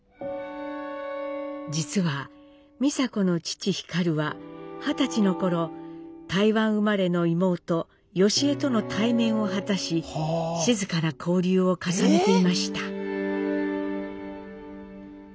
実は美佐子の父皓は二十歳の頃台湾生まれの妹祥江との対面を果たし静かな交流を重ねていました。